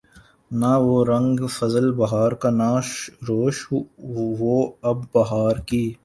نہ وہ رنگ فصل بہار کا نہ روش وہ ابر بہار کی